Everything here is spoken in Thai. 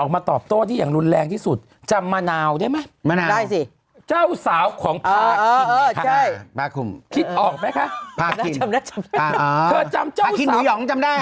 หาทิตหนูหย่องจำได้ฮะ